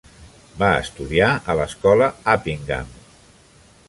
Va estudiar a l'escola Uppingham.